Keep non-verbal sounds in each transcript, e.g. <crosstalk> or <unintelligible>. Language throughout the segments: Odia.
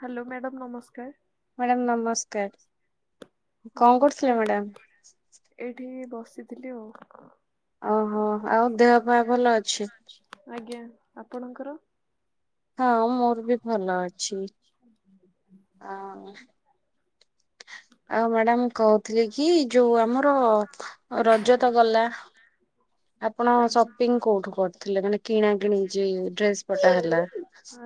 ହ୍ୟାଲୋ, ମ୍ୟାଡ଼ାମ ନମସ୍କାର। ମ୍ୟାଡ଼ାମ ନମସ୍କାର, ହଁ କଣ କରୁଥିଲେ କୁହ ମ୍ୟାଡ଼ାମ? ଏଇଠି ବସିଥିଲି ଆଉ। ଓହୋ, ଆଉ ଦେହ ପା ଭଲ ଅଛି? ଆଜ୍ଞା, ଆପଣଙ୍କର? ହଁ ମୋର ବି ଭଲ ଅଛି, ଆ ଆଉ ମ୍ୟାଡାମ କହୁଥିଲି କି ଯୋଉ ଆମର ରଜ ତ ଗଲା ଆପଣ ଆଜ୍ଞା ସପିଙ୍ଗ କୋଉଠୁ କରୁଥିଲେ, ମାନେ କିଣା କିଣି ଯେ ଡ୍ରେସ ପଟା ହେଲା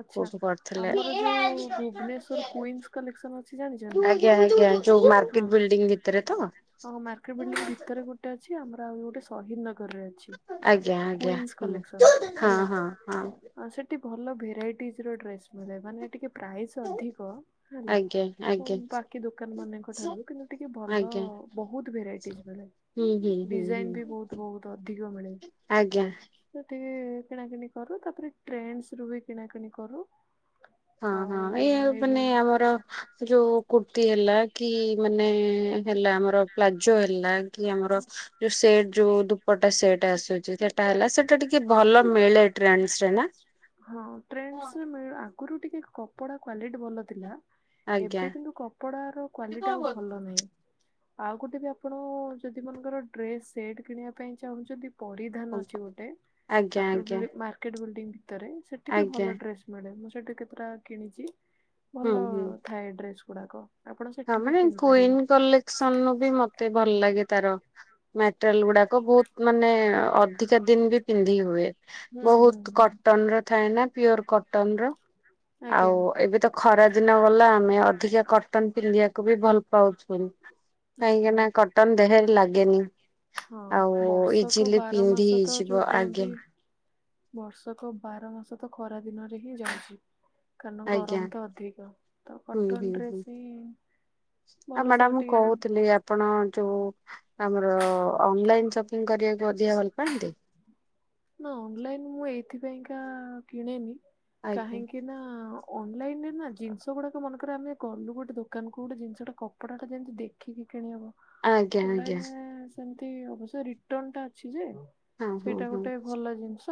ଆଚ୍ଛା କରିଥିଲେ? ଆମର ଯୋଉ ଭୁବନେଶ୍ଵର କୁଇନ୍ସ କଲେକ୍ସନ ଅଛି ଜାଣି ଆଜ୍ଞା, ଆଜ୍ଞା ଯୋଉ ମାର୍କେଟ ବିଲଡିଂ ଭିତରେ ତ? ହଁ ମାର୍କେଟ ବିଲଡିଂ ଭିତରେ ଗୋଟେ ଅଛି, ଆମର ଆଉ ଗୋଟେ ସହିଦ ନ ଅଛି, ଆଜ୍ଞା ଆଜ୍ଞା କ୍ୱିନ୍ସ ହୁଁ। କଲେକ୍ସନ। ହଁ ହଁ ହଁ। ହଁ ସେଠି ଭଲ ଭେରାଇଟିଜ ର ଡ୍ରେସ୍ ମିଳେ, ମାନେ ଟିକେ ପ୍ରାଇସ୍ ଅଧିକ ହେଲା ଆଜ୍ଞା ଆଜ୍ଞା ବାକି ଦୋକାନ ମାନଙ୍କ ଠାରୁ କିନ୍ତୁ ଟିକେ ଭଲ ଆଜ୍ଞା ବହୁତ ଭେରାଇଟିଜ ମିଳେ। ହୁଁ ହୁଁ ହୁଁ ହୁଁ ଡିଜାଇନ ବି ବହୁତ ବହୁତ ଅଧିକ ମିଳେ। ଆଜ୍ଞା। ସେଟି କିଣାକଣି କରୁ ତାପରେ ଟ୍ରେଣ୍ଡସ୍ ରୁ ବି କିଣାକଣି କରୁ। ହଁ ଆଉ ହଁ ଏଇଆଉ ମାନେ ଏଇଭଳି ଆମର ଯୋଉ କୁର୍ତି ହେଲା କି ମାନେ ହେଲା ଆମର ର ପ୍ଲାଜୋ ହେଲା, କି ଆମର ଯୋଉ ସେଟ୍ ଯୋଉ ଦୁପଟ୍ଟା ସେଟ୍ ଆସୁଛି ସେ ଟା ହେଲା ସେଟା ଟିକେ ଭଲ ମିଳେ ଟ୍ରେଣ୍ଡସ୍ ରେ ନା। ହଁ ଟ୍ରେଣ୍ଡସ୍ ରେ ମିଳ, ଆଗରୁ ଟିକେ କପଡା କ୍ଵାଲିଟି ଭଲ ଥିଲା। ଆଜ୍ଞା ଏବେ କିନ୍ତୁ କପଡ଼ାର କ୍ଵାଲିଟି ଆଉ ଭଲ ନାହିଁ। ଆଉ ଗୋଟେ ବି ଆପଣ ଯଦି ମନେକର ଡ୍ରେସ ସେଟ କିଣିବା ପାଇଁ ଚାହୁଁଛନ୍ତି। ପଡ଼ିଧାନ ଅଛି ଗୋଟେ ଆଜ୍ଞା ଆଜ୍ଞା ମାର୍କେଟ ବିଲଡିଙ୍ଗ ଭିତରେ ସେଠି ବି ଆଜ୍ଞା ଭଲ ଡ୍ରେସ ମିଳେ, ମୁଁ ସେଇଠି କେତେଟା କିଣିଛି ହୁଁ ଭଲ ହୁଁ। ଥାଏ ଡ୍ରେସ ଗୁଡାକ। ଆପଣ ସେଠୁ ବି କିଣିପାରିବେ। ସନବି ମତେ ଭଲ ଲାଗେ ତାର ମଟେରିଆଲ ଗୁଡାକ ବହୁତ ମାନେ ଅଧିକା ଦିନ ବି ପିନ୍ଧି ହୁଏ। ହୁଁ ହୁଁ ବହୁତ ହୁଁ। କଟନ ର ଥାଏ ନା ପିଓର କଟନ ର। ଆଜ୍ଞା ଆଉ ଏବେ ତ ଖରା ଦିନ ଗଲା ଆମେ ଅଧିକା କଟନ ପିନ୍ଧିବାକୁ ବି ଭଲ ପାଉଚୁ ଆଜ୍ଞା। କାହିଁକିନା କଟନ ଦେହରେ ଲାଗେନି। ହଁ ଆଉ ବର୍ଷକ ଇଜିଲି ବାର ପିନ୍ଧି ମାସ ତ ଯୋଉ ହେଇଯିବ କୁହନ୍ତି ଆଗେ। ବର୍ଷକ ବାର ମାସ ତ ଖରା ଦିନରେ ହିଁ ଯାଉଚି। କାରଣ ଆଜ୍ଞା ଗରମ ତ ଅଧିକ ତ କଟନ ଡ୍ରେସ୍ ହିଁ ଭଲ ଆ ସ ମ୍ୟାଡାମ ମୁଁ ଟିକେ କହୁଥିଲି ଆପ୍ ଆପଣ ଯୋଉ ଆମର ଅନଲାଇନ ସପିଙ୍ଗ୍ କରିବାକୁ ଅଧିକ ଭଲ ପାଆନ୍ତି? ନା ଅନଲାଇନ ମୁଁ ଏଇଥିପାଇଁକା କିଣେନି ଆଜ୍ଞା କାହିଁକି ନା ଅନଲାଇନରେ ନା ଜିନିଷ ଗୁଡାକ ମନେକରେ ଆମେ ଗଲୁ ଗୋଟେ ଦୋକାନ କୁ ଗୋଟେ ଜିନିଷଟେ କ କପଡ଼ାଟା ଯେମିତି ଦେଖିକି କିଣିହବ ଆଜ୍ଞା ଆଜ୍ଞା ଅନଲାଇନ ରେ ସେମିତି ଅବସ୍ୟ ରିଟର୍ନ ଟା ଅଛି ଯେ ହଁ ହଁ ସେଇଟା ହଁ। ଗୋଟେ ଭଲ ଜିନିଷ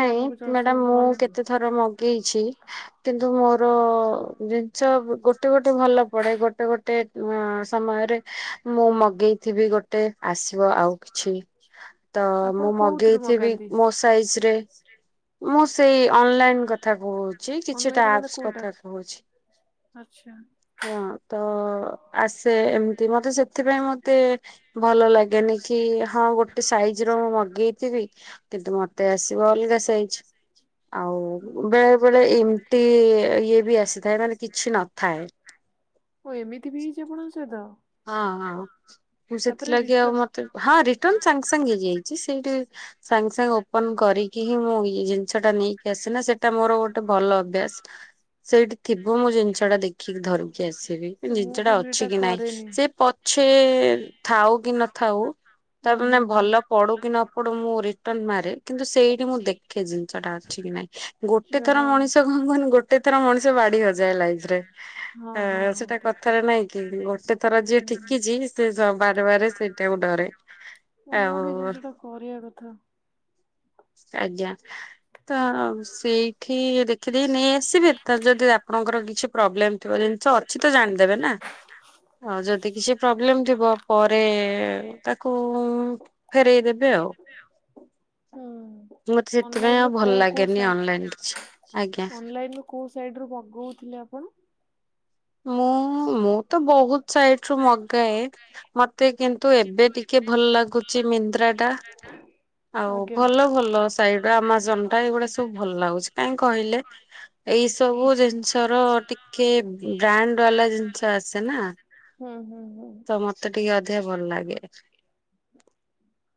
ଯେ ଆମକୁ ଯ ସବୁ ମ୍ୟାଡାାମ ଭଲ ମୁଁ କେତେ ଥର ମଗେଇଛି କିନ୍ତୁ ମୋର ଜିନିଷ ଗୋଟେ ଗୋଟେ ଭଲ ପଡେ ଗୋଟେ ଗୋଟେ ଅଁ ସମୟରେ ମୁଁ ମଗେଇଥିବି ଗୋଟେ ଆସିବ ଆଉ କିଛି ହ ଆପଣ ମୁଁ କୋଉଥିରୁ ମଗେଇଥିବି ମଗାନ୍ତି? ମୋ ସାଇଜ ରେ ମୁଁ ସେଇ ଅନଲାଇନ କଥା କହୁଚି କିଛିଟା ଅନଲାଇନ ମାନେ ଆପ୍ସ କୋଉଟା? କଥା କହୁଛି। ଆଚ୍ଛା। ହଁ ତ ଆସେ ଏମିତି ମତେ ସେଥିପାଇଁ ମତେ ଭଲ ଲାଗେନି କି ହଁ ଗୋଟେ ସାଇଜ ର ମୁଁ ମଗେଇଥିବି କିନ୍ତୁ ମତେ ଆସିବ ଅଲଗା ସାଇଜ। ଆଉ ବେଳେ ବେଳେ ଏମିତି ଇଏ ଇଏ ବି ଆସିଥାଏ ମାନେ କିଛି ନଥାଏ। ଓ ଏମିତି ବି ହେଇଚି ଆପଣଙ୍କ ସହିତ? ହଁ ହଁ ତାପରେ ସେଥିଲାଗି ଆଉ ରିଟର୍ନ ମତେ ହଁ ରିଟର୍ଣ ସାଙ୍ଗେ ସାଙ୍ଗେ ହେଇଯାଇଚି ସେ। ସେଇଠି ସାଙ୍ଗେ ସାଙ୍ଗେ ଓପନ କରିକି ହିଁ ମୁଁ ଇଏ ଜିନିଷ ଟା ନେଇକି ଆସେନା ସେଟା ମୋର ଗୋଟେ ଭଲ ଅଭ୍ୟାସ। ସେଇଠି ଥିବ ମୁଁ ଜିନିଷ ଟା ଦେଖିକି ଧରିକି ଆସିବି ମୁଁ ଜିନିଷ ଟା କିନ୍ତୁ ଏଟା ଅଛି କି ନାଇଁ। କରେନି ସେ ପଛେ ଥାଉ କି ନଥାଉ ତା ହୁଁ ମାନେ ହୁଁ ହୁଁ। ଭଲ ପଡୁ କି ନ ଡୁ ମୁଁ ରିଟର୍ନ ମାରେ କିନ୍ତୁ ସେଇଠି ମୁଁ ଦେଖେ ଜିନିଷ ଟା ଅଛି କି ନାଇଁ ଗୋଟେ ଥର ଯାହା ହଉ। ମଣିଷ କଣ କୁହନି ଗୋଟେ ଥର ମଣିଷ ବାଡି ହଜାଏ ଲାଇଫ ରେ। ହଁ ହଁ ଆ ହଁ ସେଟା ଠିକ କଥାରେ ଠିକ ନାଇଁ କି ଗୋଟେ ଥର ଯିଏ ଠିକିଛି ସେ ସ ବାରେ ବାରେ ସେଇଟାକୁ ଡରେ। ହୁଁ ମୁଁ ବି ଆଉ ଜିନିଷ ଟା କରିବା କଥା। ଆଜ୍ଞା ତ ସେଇଠି ଦେଖିଦେଇ ନେଇ ଆସିବେ ତା ଯଦି ଆପଣଙ୍କର କିଛି ପ୍ରୋବ୍ଲେମ ଥିବ ଜିନିଷ କିଛି ତ ଜାଣିଦେବେ ନା। ହଁ ଯଦି କିଛି ପ୍ରୋବ୍ଲେମ ଥିବ ପରେ ତାକୁ ଫେରେଇ ଦେବେ ଆଉ ହୁଁ ମତେ ସେଥିପାଇଁ ଅନଲାଇନ ଆଉ ରୁ ଭଲ କୋଉ କୋଉ ଲାଗେନି ସାଇ ଅନଲାଇନ କିଛି। ଆଜ୍ଞା ଅନଲାଇନ ରୁ କୋଉ ସାଇଡ୍ ରୁ ମଗୋଉଥିଲେ ଆପଣ? ମୁଁ ମୁଁ ତ ବହୁତ ସାଇଡ୍ ରୁ ମଗାଏ। ମତେ କିନ୍ତୁ ଏବେ ଟିକେ ଭଲ ଲାଗୁଚି ମିନ୍ତ୍ରା ଟା। ଆଉ ଆଜ୍ଞା ଭଲ ଭଲ ସାଇଟ୍ ଆମାଜନ ଟା ଏଇଗୁଡା ସବୁ ଭଲ ଲାଗୁଚି କାଇଁ କହିଲେ? ଏଇ ସବୁ ଜିନିଷର ଟିକେ ବ୍ରାଣ୍ଡ ବାଲା ଜିନିଷ ଆସେ ନା ହୁଁ ହୁଁ ହୁଁ। ତ ମତେ ଟିକେ ଅଧିକା ଭଲ ଲାଗେ।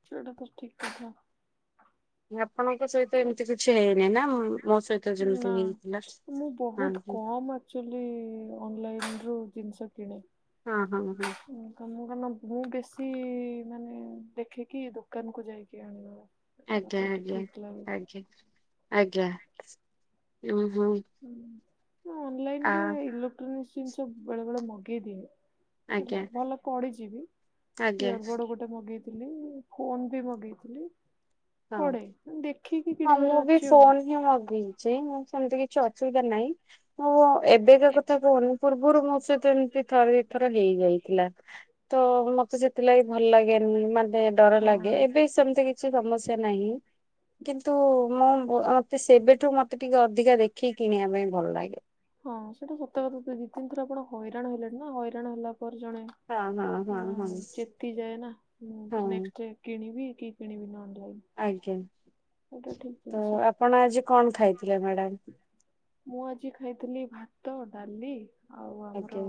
ସେଟା ତ ଠିକ୍ କଥା। ଆପଣଙ୍କ ସହିତ ଏମିତି କିଛି ହେଇନି ନା ମ୍ ମୋ ସହିତ ନା ଯେମିତି ହେଇଥିଲା? ମୁଁ ହଁ ବୋହୁତ ହଁ କମ୍ ଆକ୍ଚୁଅଲି ଅନଲାଇନରୁ ଜିନିଷ କିଣେ। ହଁ ହଁ ମ୍ୟାଡ଼ାମ। ମୁଁ କଣ ମୁଁ କଣ ନା ମୁଁ ବେଶୀ ମାନେ ଦେଖିକି ଦୋକାନକୁ ଯାଇକି ଆଣିବାର ଆଜ୍ଞା ଆଜ୍ଞା ଆଜ୍ଞା ଆଜ୍ଞା ଉଁ ହୁଁ। ହୁଁ ମୁଁ ଆ ଅନଲାଇନରେ ଇଲୋକ୍ଟ୍ରୋନିକ୍ସ ଜିନିଷ ବେଳେବେଳେ ମଗେଇ ଦିଏ। ହେଲା ଆଜ୍ଞା ଭଲ ପଡିଚି ବି ଆଜ୍ଞା ଇଅର୍ ବଡ୍ ଗୋ ଟେ ମଗେଇଥିଲି ଫୋନ୍ ବି ମଗେଇଥିଲି ହଁ। କୁଆଡେ ଦେଖିକି ହଁ କିଣିବାର ଅଛି ଆଉ। ମୁଁ ମଗେଇଚି ମୁଁ ସେମିତି କିଛି ଅସୁବିଧାରେ ନାହିଁ ମୁଁ ଏବେକା କଥା କହୁନି ପୂର୍ବୁରୁ ମୋ ସହିତ ଏମିତି ଥରେ ଦିଥର ହେଇଯାଇଥିଲା ତ ମତେ ସେ ଥିଲାଗି ଭଲ ଲାଗେନି ମତେ ଡର ହଁ ଲାଗେ ଏବେ ସେମିତି କି ଛି ସମସ୍ୟା ନାହିଁ କିନ୍ତୁ ମ୍ୟାମ୍ ଅ ମତେ ସେବେଠୁ ମତେ ଟିକେ ଅଧିକା ଦେ ଖି କିଣିବା ପାଇଁ ଭଲ ଲାଗେ। ହଁ ସେଇଟା ସତ କଥା ଦି ଦି ତିିନ ଥର ଆପଣ ହଇରାଣ ହେଲେଣି ନା, ହଇରାଣ ହେଲା ପରେ ଜଣେ ହଁ ଚେତି ଯାଏ ନା ଉଁ ହଁ ନେକ୍ସଟେ କିଣବି କି କିଣବିନି ଅନଲାଇନ? ଆଜ୍ଞା ଏଇଟା ଠିକ ତ ଜିନିଷ ଆପଣ ଆଜି କଣ ଖାଇଥିଲେ ମ୍ୟାଡାମ୍? ମୁଁ ଆଜି ଖାଇଥିଲି ଭାତ ଡାଲି ଆଉ ଆମର ଆଜ୍ଞା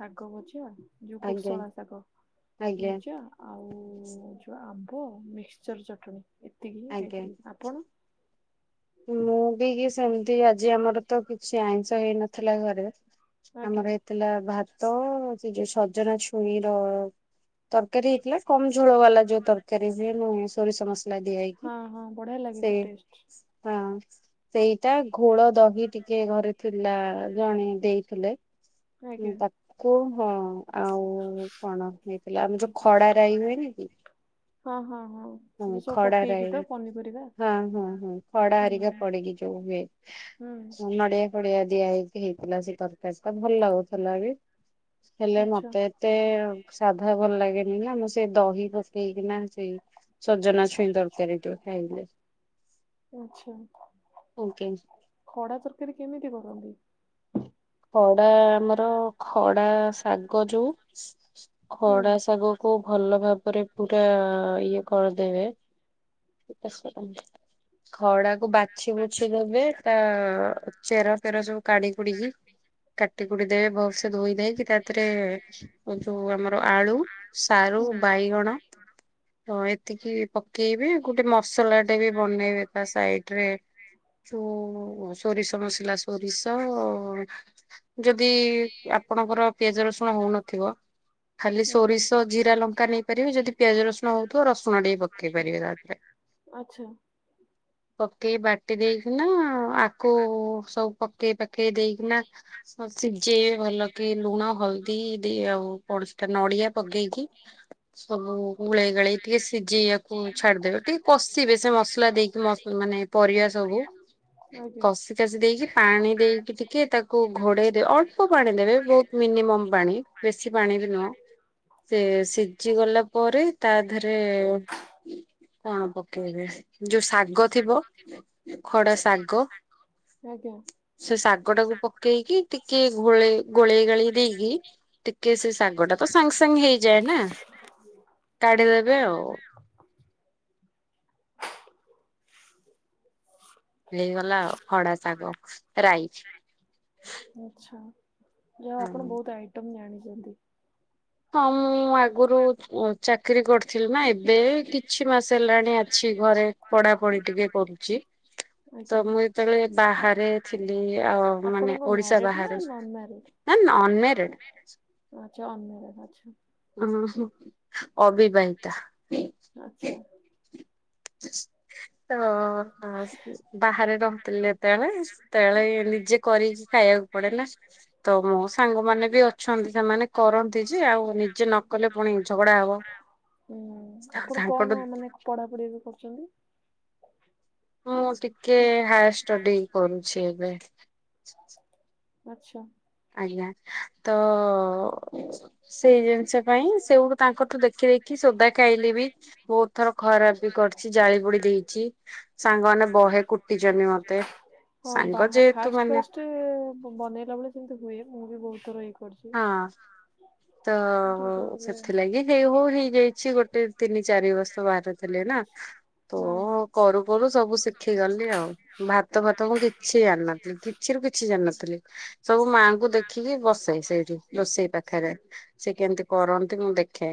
ଶାଗ ଭଜା ଯୋଉ ଆଜ୍ଞା କୋଶଳାଶାଗ ଆଜ୍ଞା ଭଜା ଆଉ ଯୋଉ ଆମ୍ବ, ମିକ୍ସଚର ଚଟଣି ଏତିକି ହିଁ ଆଜ୍ଞା। ଖାଇଥିଲି ଆପଣ? ମୁଁ ବି କି ସେମିତି ଆଜି ଆମର ତ କିଛି ଆଇଁଷ ହେଇନଥେଲା ଘରେ ଆଜ୍ଞା ଆମର ଏତ ଥିଲା ଭାତ ସେ ଯୋଉ ସଜନା ଛୁଇଁର ତରକାରୀ ହେଇଥିଲା କମ୍ ଝୋଳ ବାଲା ଯୋଉ ତରକାରୀ ହୁଏନି ସୋରିଷ ମସ୍ ହଁ ହଁ ବଢିଆ ଲାଗେ ସେ ଟେଷ୍ଟ। ହଁ ସେଇଟା ଘୋଳଦହି ଟିକେ ଘରେ ଥିଲା ଜଣେ ଦେଇଥିଲେ ହୁଁ ଆଜ୍ଞା। ତାକୁ ହଁ ଆଉ କଣ ହେଇଥିଲା ଆମର ଯୋଉ ଖଡା ରାଇ ହୁଏନି କି? ହଁ ହଁ ସେ ହଁ ଯୋଉ ସବୁ ଖଡା ପକେଇକି ରାଇ ତ ପନିପରିବା ହଁ ହଁ ହୁଁ ଖଡା ହେରିକା ହୁଁ। ପଡିକି ଯୋଉ ହୁଏ ହୁଁ ନଡିଆ ଫଡିଆ ଦିଆ ହେଇକି ହେଇଥିଲା ସେ ତରକାରୀଟା ଭଲ ଥେଲା ବି ହେଲେ ଆଚ୍ଛା ମତେ ଏତେ ତେ ସାଧା ଭଲ ଲାଗେନି ନା ମୁଁ ସେ ଦହି ପକେଇ କିନା ସେଇ ସଜନା ଛୁଇଁ ତରକାରୀ ଯୋଉ ଖାଇଲେ, ଆଚ୍ଛା ଓକେ। ଖଡା ତରକାରୀ କେମିତି କରନ୍ତି? ଖଡା ଆମର ଖଡା ଶାଗ ଯୋଉ ହୁଁ। ଖଡା ଶାଗ କୁ ଭଲ ଭାବରେ ପୁରା ଇଏ କରିଦେବେ ଦଶ ଟଙ୍କା ଖଡା କୁ ବାଛି ବୁଛି ଦେବେ ତା ଚେର ପେର ସବୁ କାଢି କୁଢିକି କାଟି କୁଟି ଦେବେ ଭଲସେ ଧୋଇ ଧାଇକି ତାଥେରେ ମୁଁ କହିଲି ଯୋଉ ଆମର ଆଳୁ, ସାରୁ, ହୁଁ ବାଇଗଣ ଆଜ୍ଞା। ହଁ ଏତିକି ପକେଇବେ ଗୋଟେ ମସଲାଟେ ବି ବନେଇବେ ତା ସାଇଡରେ ସୋ ସୋରିଷ ମସଲା ସୋରିଷ ଯଦି ଆପଣଙ୍କର ପିଆଜ ରସୁଣ ହଉନଥିବ ଖାଲି ସୋରିଷ ଜିରା ଲଙ୍କା ନେଇପାରିବେ ଯଦି ପିଆଜ ରସୁଣ ହଉଥୁବ ରସୁଣ ଟିକେ ପକେଇ ପାରିବେ ତାଧେରେ ଆଛା। ପକେଇ ବାଟି ଦେଇକିନା ଆକୁ ସବୁ ପକେଇ ପାକେଇ ଦେଇକିନା ସବୁ ସିଝେଇବେ ଭଲ କି ଲୁଣ, ହଳଦୀ ଦେଇ ଆଉ ପଣଶଟା ନଡିଆ ପକେଇକି ସବୁ ଗୁଳେଇ ଗାଳେଇ ଟିକେ ସିଝେଇବାକୁ ଛାଡିଦେବେ ଟିକେ କଷିବେ ସେ ମସଲା ଦେଇକି ମସ୍ ମାନେ ପରିବା ସବୁ ଆଜ୍ଞା। କଷି କାଷି ଦେଇକି ପାଣି ଦେଇକି ଟିକେ ତାକ କୁ ଘୋଡେଇ ଦେବେ ଅଳ୍ପ ପାଣି ଦେବେ ବହୁତ ମିନିମମ୍ ପାଣି ବେଶୀ ପାଣି ବି ନୁହଁ ସେ ସିଝିଗଲା ପରେ ତାଧେରେ <unintelligible> ଯୋଉ ଶାଗ ଥିବ ଖଡା ଶାଗ ଆଜ୍ଞା। ସେ ଶାଗ ଟାକୁ ପକେଇକି ଟିକେ ଘୋଳେଇ ଗୋଳେଇ ଗାଳେଇ ଦେଇକି ଟିକେ ସେ ଶାଗ ଟା ତ ସାଙ୍ଗେ ସାଙ୍ଗେ ହେଇଯାଏ ନା? କାଢିଦେବେ ଆଉ ହେଇଗଲା ଆଉ ଖଡା ଶାଗ ରାଇ। ଆଛା, ଯାଉ ଆପଣ ବହୁତ ଆଇଟମ୍ ଜାଣିଚନ୍ତି। ହଁ ମୁଁ ଆଗୁରୁ ଚାକିରୀ କରିଥିଲି ନା ଏବେ କିଛି ମାସ ହେଲାଣି ଅଛି ଘରେ ପଢାପଢି ଟିକେ କରୁଛି। ତ ଆଜ୍ଞା ମୁଁ ଯେତେବେଳେ ବାହାରେ ଥିଲି ଆ ମାନେ ଆପଣଙ୍କ ଓଡିଶା ମ୍ୟାରେଡ ନା ବାହାରେ ନନ ମ୍ୟାରେଡ ନା ଅନ୍ <unintelligible> <unintelligible> <unintelligible> ଅବିବାହିତା ଆଚ୍ଛା। <unintelligible> ବାହାରେ ରହୁଥିଲେ ଯେତେବେଳେ ସେତେବେଳେ ନିଜେ କରିକି ଖାଇବାକୁ ପଡେ ନା। ତ ମୋ ସାଙ୍ଗ ମାନେ ବି ଅଛନ୍ତି ସେମାନେ କରନ୍ତି ଯେ, ଆଉ ନିଜେ ନକଲେ ପୁଣି ଝଗଡା ହବ। ହୁଁ ଆପଣ ତାଙ୍କଠୁ କଣ ମାନେ ପଢା ପଢି ଏବେ କରିଚନ୍ତି? ମୁଁ ଟିକିଏ ହାୟର ଷ୍ଟଡି କରୁଛି ଏବେ। ଆଛା ଆଜ୍ଞା ତ ସେଇ ଜିନିଷ ପାଇଁ ସେଇଠୁ ତାଙ୍କଠୁ ଦେଖି ଦେଖି ସୋଦା ଖାଇଲି ବି ବହୁତ ଥର ଖରାପ ବି କରିଚି। ଜାଳି ପୋଡି ଦେଇଛି। ସାଙ୍ଗମାନେ ବହେ କୁଟିଚନ୍ତି ମତେ। ହଁ ସାଙ୍ଗ ବାହା ଯେହେତୁ ଫାଷ୍ଟ ମାନେ ଫାଷ୍ଟ ବନେଇଲା ବେଳେ ସେମିତି ହୁଏ ମୁଁ ବି ବହୁତ ଇହି କରଛି। ହଁ ତ କହିଥିଲେ। ସେଥିଲାଗି ଦେ ବୋଉ ହେଇଯାଇଛି ଗୋଟେ ତିନି ଚାରି ବର୍ଷ ବାହାରେଥିଲେ ନା। ତ ହୁଁ କରୁ ସବୁ ଶିଖିଗଲି ଆଉ। ଭାତ ଫାତ ମୁଁ କିଛି ଜାଣିନଥିଲି କିଛିରୁୁ କିଛି ଜାଣିନଥିଲି। ସବୁ ମାଙ୍କୁ ଦେଖିକି ବସି ସେଇଠି ରୋଷେଇ ପାଖରେ ସେ କେମିତି କରନ୍ତି ମୁଁ ଦେଖେ।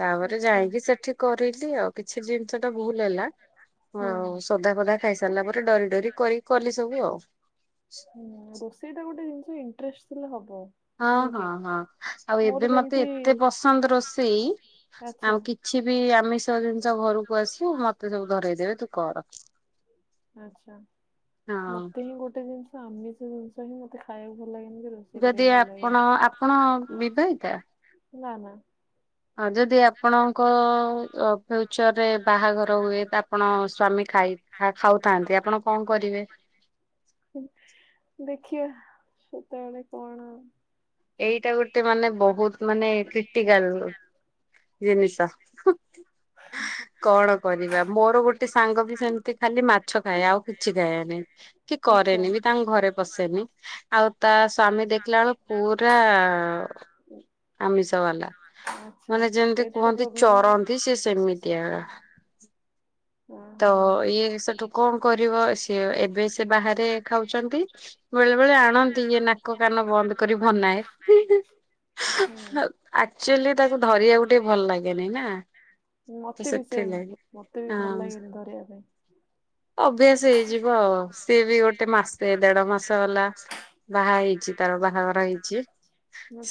ତାପରେ ଆଚ୍ଛା। ଯାଇକି ସେଠି କରିଲି ଆଉ କିଛି ଜିନିଷ ଟା ଭୁଲ୍ ହେଲା। ହୁଁ। ହଉ ସୋଦା ଫୋଦା ଖାଇସାରିଲା ପରେ ଡରି ଡରି କରିକି କଲି ସବୁ ଆଉ। ହୁଁ ରୋଷେଇ ଟା ଗୋଟେ ଜିନିଷ ଇନଟ୍ରେଷ୍ଟ ଥିଲେ ହବ। ହଁ, ନୁହେଁ କି? ହଁ ହଁ ଆଉ ମୋର ଏବେ ମତେ ଯେମିତି ଏତେ ପସନ୍ଦ ରୋଷେଇ ଆଚ୍ଛା ଆଉ କିଛି ବି ଆମିଷ ଜିନିଷ ଘରକୁ ଆଶୁ ମତେ ସବୁ ଧରେଇଦେବେ ତୁ କର। ଆଚ୍ଛା, ହଁ। ମତେ ହିଁ ଗୋଟେ ଜିନିଷ ଆମିଷ ଜିନିଷ ହିଁ ମତେ ଖାଇବାକୁ ଭଲ ଲାଗେନି <unintelligible> ଯଦି ଭଲ ଲାଗେନି। ଆପଣ। ଆପଣ ବିବାହିତା? ନା ନା ହଁ ଯଦି ଆପଣଙ୍କ ଫ୍ୟୁଚରେ ବାହାଘର ହୁଏ ତ ଆପଣ ସ୍ଵାମୀ ଖାଇ ତା ଖାଉଥାନ୍ତି ଆପଣ କଣ କରିବେ? ଦେଖିବା ସେତେବେଳେ କଅଣ ଏଇଟା ଗୋଟେ ମାନେ ବହୁତ ମାନେ କ୍ରିଟିକାଲ ଜିନିଷ। ହୁଁ। କଣ କରିବା, ମୋର ଗୋଟେ ସାଙ୍ଗ ବି ସେମିତି ଖାଲି ମାଛ ଖାଏ ଆଉ କିଛି ଖାଏନାଇଁ। କି ଆଚ୍ଛା। କରେନି ବି ତାଙ୍କ ଘରେ ପସେନି ଆଉ ତା ସ୍ଵାମୀ ଦେଖିଲା ବେଳୁ ପୁରା ଆମିଷ ବାଲା। ଆଚ୍ଛା ମାନେ ଯେମିତି ସେଇଟା ତ କୁହନ୍ତି ପ୍ରୋବ୍ଲମ୍ ଆଉ। ଚରନ୍ତି ସେ ସେମିତିଆ। ତ ଓହୋ। ଇଏ ସେଠୁ କଣ କରିବ ସେ ଏବେ ସେ ବାହାରେ ଖାଉଛନ୍ତି। ବେଳେ ବେଳେ ଆଣନ୍ତି ଇଏ ନାକ କାନ ବନ୍ଦ କରି ବନାଏ। ହୁଁ। ଆକ୍ଚୁଆଲି ତାକୁ ଧରିବାକୁ ଟିକେ ଭଲ ଲାଗେନି ନା? ତ ମତେ ବି ସେମ ସେଥିଲାଗି। ମତେ ବି ଭଲ ହଁ ଲାଗେନି ଧରିବା ପାଇଁ। ଅଭ୍ୟାସ ହେଇଯିବ ଆଉ ସିଏ ବି ଗୋଟେ ମାସେ ଦେଢ ମାସ ହେଲା। ବାହା ହେଇଛି ତାର ବାହାଘର ହେଇଛି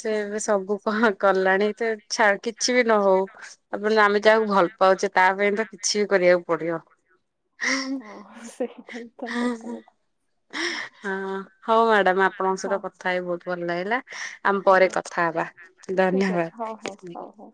ସେ ଏବେ ସବୁ କଣ କଲାଣି ସେ କିଛି ବି ନ ହଉ। <unintelligible> ଆମେ ଯାହାକୁ ଭଲ ପାଉଛେ ତା ପାଇଁ ତ କିଛି ବି କରିବାକୁ ପଡିବ। ହଁ ସେଇଟା ବି ତ ସତ କଥା। ହଁ ହଉ ମ୍ୟାଡାମ ଆପଣଙ୍କ ସହିତ ହଁ। କଥା ହେଇ ବହୁତ ଭଲ ଲାଗିଲା ଆମେ ପରେ ଆଜ୍ଞା କଥା ହବା ଠିକ୍ ଅଛି ହଉ ହଉ ଧନ୍ୟବାଦ୍। ହଉ ହଉ।